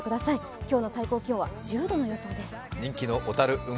今日の最高気温は１０度の予想です。